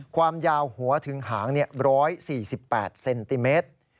ความยาวหัวถึงหาง๑๔๘เซนติเมตร